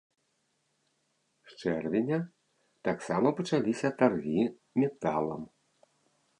З чэрвеня таксама пачаліся таргі металам.